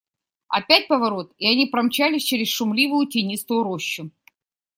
Опять поворот, и они промчались через шумливую тенистую рощу.